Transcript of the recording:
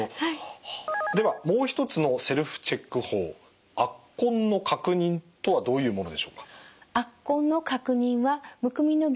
ではもう一つのセルフチェック法圧痕の確認とはどういうものでしょうか？